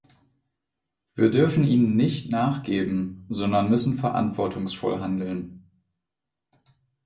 Wir dürfen ihnen nicht nachgeben, sondern müssen verantwortungsvoll handeln.